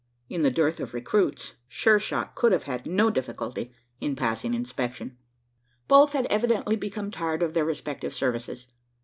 In the dearth of recruits. Sure shot could have had no difficulty in passing inspection. Both had evidently become tired of their respective services.